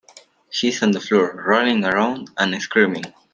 He's on the floor, rolling around and screaming.